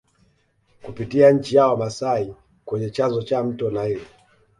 Kupitia nchi ya Wamasai kwenye chanzo cha mto Nile